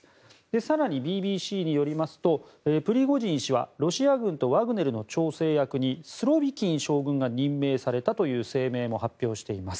更にＢＢＣによりますとプリゴジン氏はロシア軍とワグネルの調整役にスロビキン将軍が任命されたという声明も発表しています。